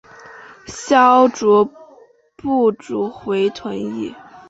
萧族部族回鹘裔。